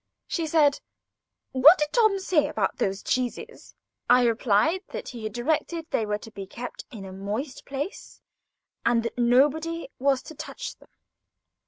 She said: "What did Tom say about those cheeses?" I replied that he had directed they were to be kept in a moist place, and that nobody was to touch them.